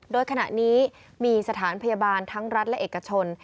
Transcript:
โดยขณะนี้มีสถานพยาบาลทั้งรัฐและเอกชน